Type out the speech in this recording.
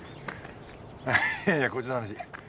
あいやいやこっちの話。